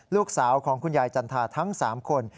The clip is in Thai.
ลูกชายของคุณยายจันทราทั้ง๓คน